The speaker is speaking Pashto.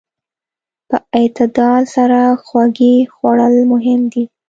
په اعتدال سره خوږې خوړل مهم دي.